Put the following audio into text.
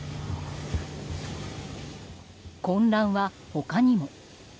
混乱は他にも。